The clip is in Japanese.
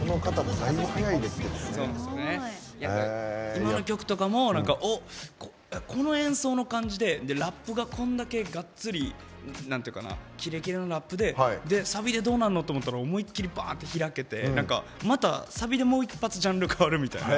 今の曲とかもこの演奏の感じでラップがこんだけがっつりキレキレのラップでサビでどうなるのと思ったらバーッと開けてまたサビでもう一発ジャンル変わるみたいな。